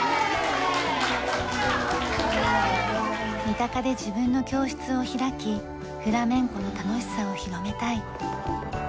三鷹で自分の教室を開きフラメンコの楽しさを広めたい。